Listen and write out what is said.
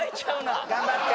頑張って！